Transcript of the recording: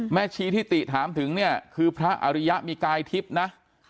ชีที่ติถามถึงเนี่ยคือพระอริยะมีกายทิพย์นะ